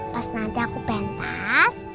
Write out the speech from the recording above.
pas nanti aku pentas